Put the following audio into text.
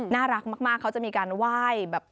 น่ารักมากเขาจะมีการไหว้แบบ